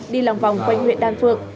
đi lòng vòng quanh huyện đan phượng